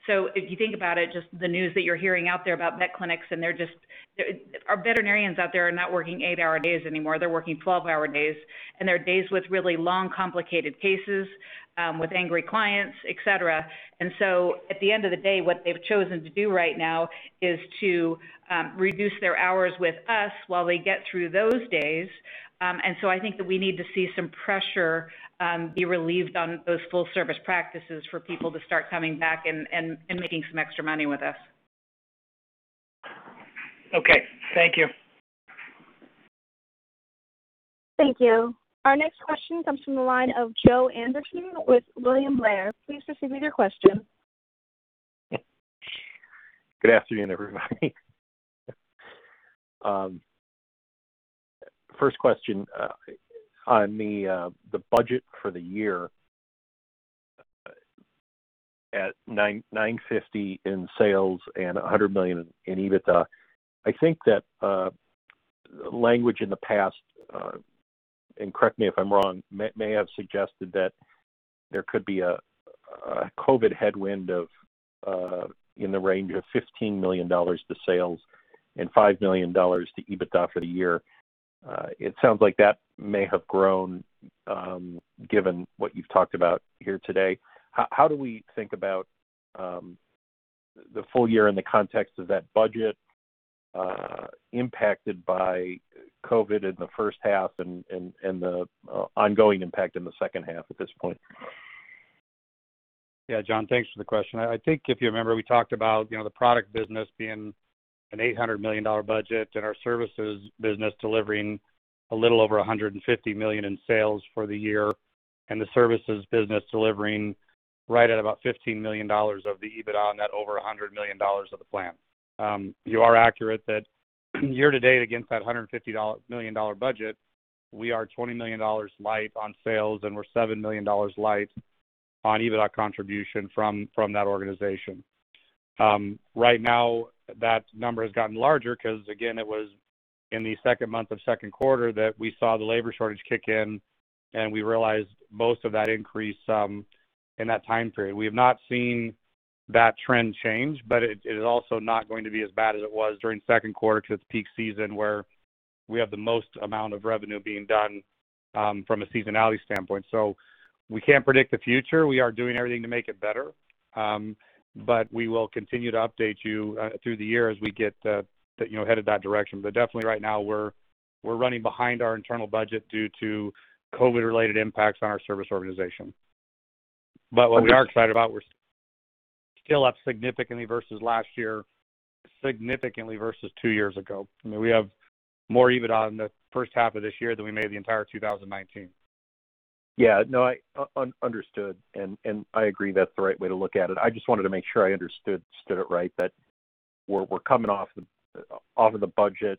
If you think about it, just the news that you're hearing out there about vet clinics and our veterinarians out there are not working eight-hour days anymore. They're working 12-hour days, and they're days with really long, complicated cases, with angry clients, et cetera. At the end of the day, what they've chosen to do right now is to reduce their hours with us while they get through those days. I think that we need to see some pressure be relieved on those full-service practices for people to start coming back and making some extra money with us. Okay. Thank you. Thank you. Our next question comes from the line of Jon Andersen with William Blair. Please proceed with your question. Good afternoon, everybody. First question, on the budget for the year at $950 million in sales and $100 million in EBITDA, I think that language in the past, and correct me if I'm wrong, may have suggested that there could be a COVID headwind in the range of $15 million to sales and $5 million to EBITDA for the year. It sounds like that may have grown, given what you've talked about here today. How do we think about the full year in the context of that budget impacted by COVID in the first half and the ongoing impact in the second half at this point? Yeah. Jon, thanks for the question. I think if you remember, we talked about the product business being an $800 million budget and our services business delivering a little over $150 million in sales for the year, and the services business delivering right at about $15 million of the EBITDA on that over $100 million of the plan. You are accurate that year-to-date, against that $150 million budget, we are $20 million light on sales, and we're $7 million light on EBITDA contribution from that organization. Right now, that number has gotten larger because, again, it was in the second month of second quarter that we saw the labor shortage kick in, and we realized most of that increase in that time period. We have not seen that trend change, but it is also not going to be as bad as it was during the second quarter because it's peak season, where we have the most amount of revenue being done from a seasonality standpoint. We can't predict the future. We are doing everything to make it better. But we will continue to update you through the year as we get headed that direction. Definitely right now, we're running behind our internal budget due to COVID-related impacts on our service organization. What we are excited about, we're still up significantly versus last year, significantly versus two years ago. We have more EBITDA in the first half of this year than we made the entire 2019. Yeah. No, understood. I agree that's the right way to look at it. I just wanted to make sure I understood it right, that we're coming off of the budget.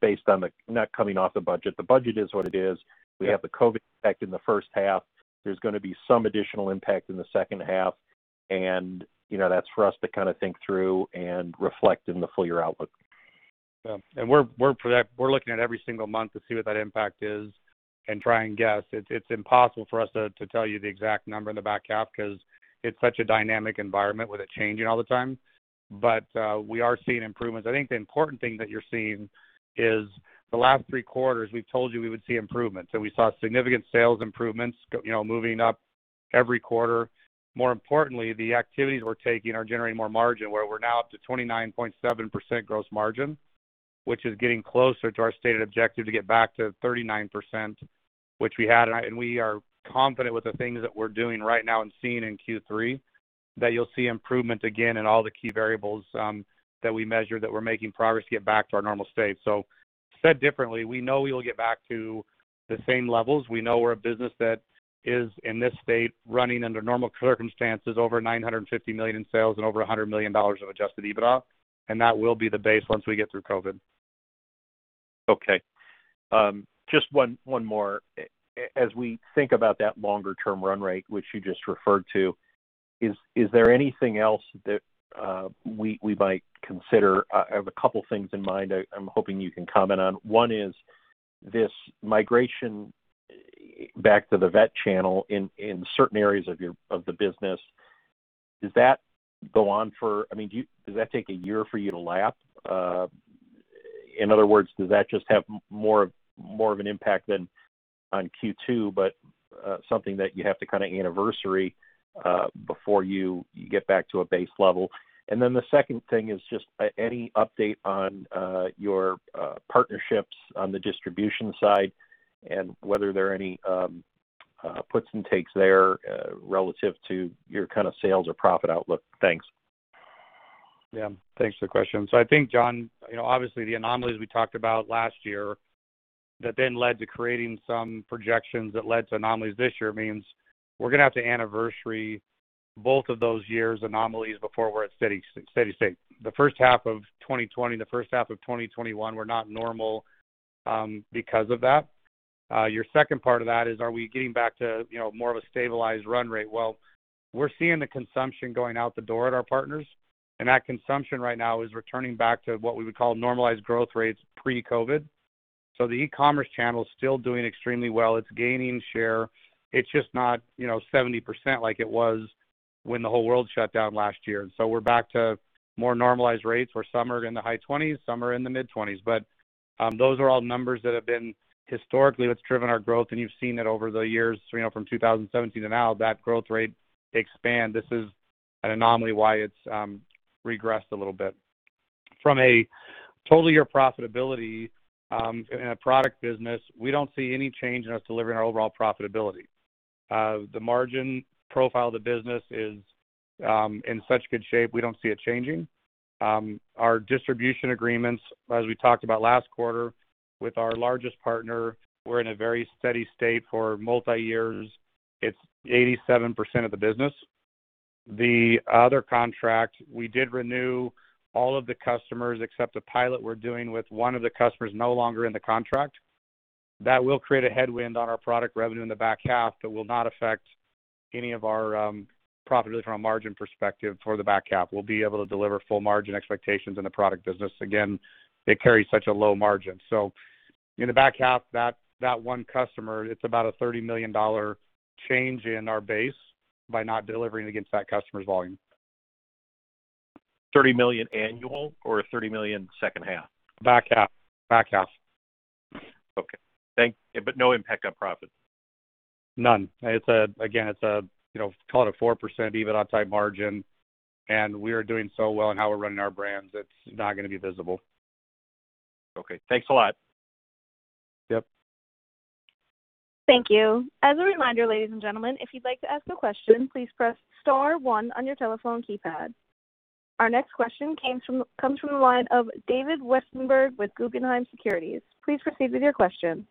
Based on the, not coming off the budget. The budget is what it is. Yeah. We have the COVID impact in the first half. There's going to be some additional impact in the second half. That's for us to kind of think through and reflect in the full-year outlook. Yeah. We're looking at every single month to see what that impact is and try and guess. It's impossible for us to tell you the exact number in the back half because it's such a dynamic environment with it changing all the time. But we are seeing improvements. I think the important thing that you're seeing is the last three quarters, we've told you we would see improvements, and we saw significant sales improvements moving up every quarter. More importantly, the activities we're taking are generating more margin, where we're now up to 29.7% gross margin, which is getting closer to our stated objective to get back to 39%, which we had. We are confident with the things that we're doing right now and seeing in Q3, that you'll see improvement again in all the key variables that we measure that we're making progress to get back to our normal state. Said differently, we know we will get back to the same levels. We know we're a business that is in this state running under normal circumstances over $950 million in sales and over $100 million of adjusted EBITDA, and that will be the base once we get through COVID. Okay. Just one more. As we think about that longer-term run rate, which you just referred to, is there anything else that we might consider? I have a couple of things in mind I'm hoping you can comment on. One is this migration back to the vet channel in certain areas of the business. Does that the one for... I mean, does that take a year for you to lap? In other words, does that just have more of an impact than on Q2, but something that you have to kind of anniversary before you get back to a base level? The second thing is just any update on your partnerships on the distribution side and whether there are any puts and takes there relative to your kind of sales or profit outlook. Thanks. Yeah. Thanks for the question. I think, Jon, obviously, the anomalies we talked about last year that then led to creating some projections that led to anomalies this year means we're going to have to anniversary both of those years' anomalies before we're at steady state. The first half of 2020 and the first half of 2021 were not normal because of that. Your second part of that is, are we getting back to more of a stabilized run rate? Well, we're seeing the consumption going out the door at our partners, and that consumption right now is returning back to what we would call normalized growth rates pre-COVID. The e-commerce channel is still doing extremely well. It's gaining share. It's just not 70% like it was when the whole world shut down last year. We're back to more normalized rates where some are in the high 20s, some are in the mid-20s. Those are all numbers that have been historically what's driven our growth, and you've seen that over the years, from 2017 to now, that growth rate expand. This is an anomaly why it's regressed a little bit. From a total year profitability in a product business, we don't see any change in us delivering our overall profitability. The margin profile of the business is in such good shape, we don't see it changing. Our distribution agreements, as we talked about last quarter with our largest partner, we're in a very steady state for multi-years. It's 87% of the business. The other contract, we did renew all of the customers except a pilot we're doing with one of the customers no longer in the contract. That will create a headwind on our product revenue in the back half that will not affect any of our profitability from a margin perspective for the back half. We'll be able to deliver full margin expectations in the product business. Again, it carries such a low margin. In the back half, that one customer, it's about a $30 million change in our base by not delivering against that customer's volume. $30 million annual or $30 million second half? Back half. Back half. Okay. But no impact on profit? None. It's a, again, it's a, you know, call it a 4% EBITDA type margin. We are doing so well in how we're running our brands, that's not going to be visible. Okay. Thanks a lot. Yep. Thank you. As a reminder, ladies and gentlemen, if you'd like to ask a question, please press star, one on your telephone keypad. Our next question comes from the line of David Westenberg with Guggenheim Securities. Please proceed with your question.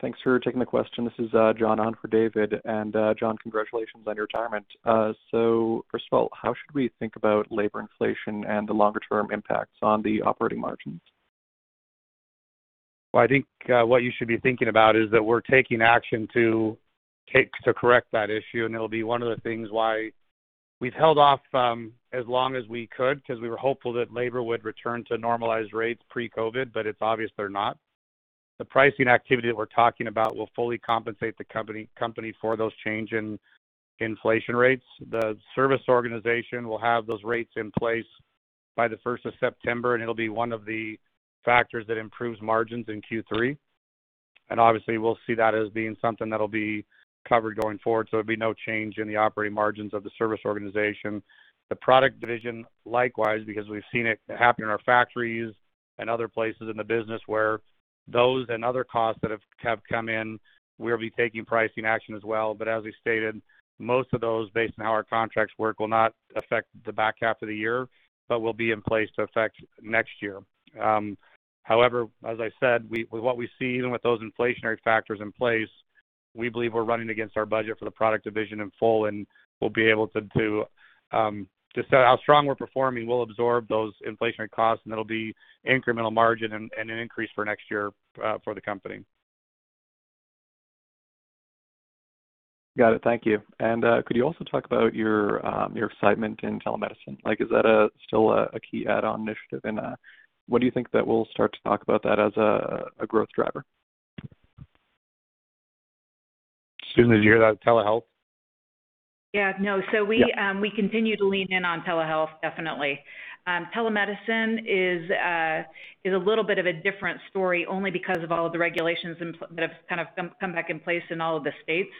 Thanks for taking the question. This is John on for David. John, congratulations on your retirement. First of all, how should we think about labor inflation and the longer-term impacts on the operating margins? Well, I think what you should be thinking about is that we're taking action to correct that issue, and it'll be one of the things why we've held off as long as we could, because we were hopeful that labor would return to normalized rates pre-COVID, but it's obvious they're not. The pricing activity that we're talking about will fully compensate the company for those change in inflation rates. The service organization will have those rates in place by the 1st of September, and it'll be one of the factors that improves margins in Q3. Obviously, we'll see that as being something that'll be covered going forward, so there'll be no change in the operating margins of the service organization. The product division, likewise, because we've seen it happen in our factories and other places in the business where those and other costs that have come in, we will be taking pricing action as well. As we stated, most of those based on how our contracts work will not affect the back half of the year, but will be in place to affect next year. However, as I said, with what we see, even with those inflationary factors in place, we believe we are running against our budget for the product division in full. Just how strong we are performing, we will absorb those inflationary costs, and it will be incremental margin and an increase for next year for the company. Got it. Thank you. Could you also talk about your excitement in telemedicine? Is that still a key add-on initiative? When do you think that we'll start to talk about that as a growth driver? Susan, did you hear that? Telehealth? Yeah. No. Yeah. We continue to lean in on telehealth, definitely. Telemedicine is a little bit of a different story only because of all of the regulations that have kind of come back in place in all of the states.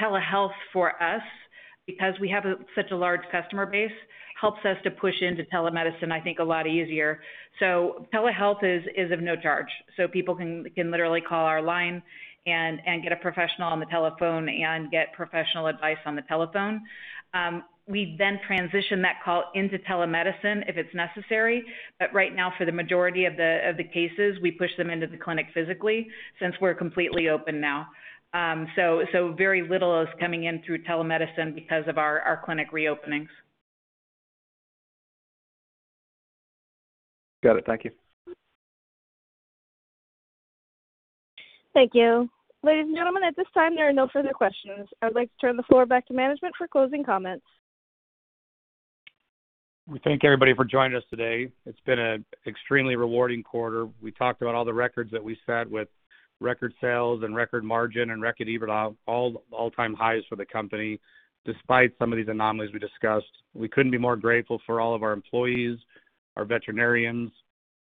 Telehealth for us, because we have such a large customer base, helps us to push into telemedicine, I think, a lot easier. Telehealth is of no charge. People can literally call our line and get a professional on the telephone and get professional advice on the telephone. We transition that call into telemedicine if it's necessary. Right now for the majority of the cases, we push them into the clinic physically since we're completely open now. Very little is coming in through telemedicine because of our clinic reopenings. Got it. Thank you. Thank you. Ladies and gentlemen, at this time, there are no further questions. I would like to turn the floor back to management for closing comments. We thank everybody for joining us today. It's been an extremely rewarding quarter. We talked about all the records that we set with record sales and record margin and record EBITDA, all-time highs for the company, despite some of these anomalies we discussed. We couldn't be more grateful for all of our employees, our veterinarians,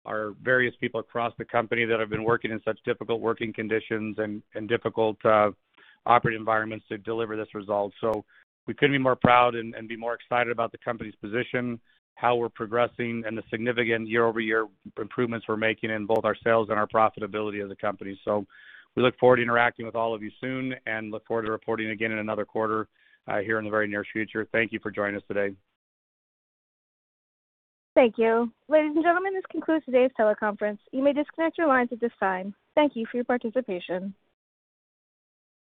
our various people across the company that have been working in such difficult working conditions and difficult operating environments to deliver this result. We couldn't be more proud and be more excited about the company's position, how we're progressing, and the significant year-over-year improvements we're making in both our sales and our profitability as a company. We look forward to interacting with all of you soon and look forward to reporting again in another quarter here in the very near future. Thank you for joining us today. Thank you. Ladies and gentlemen, this concludes today's teleconference. You may disconnect your lines at this time. Thank you for your participation.